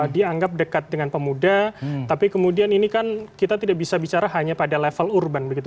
dianggap dekat dengan pemuda tapi kemudian ini kan kita tidak bisa bicara hanya pada level urban begitu